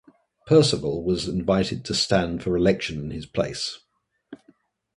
Perceval was invited to stand for election in his place.